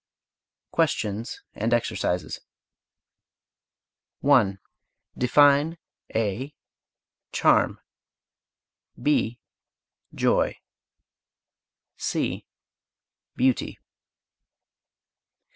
QUESTIONS AND EXERCISES 1. Define (a) charm; (b) joy; (c) beauty.